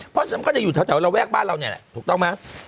เพราะฉะนั้นก็จะอยู่แถวแล้วแวกบ้านเราเนี่ยถูกต้องไหม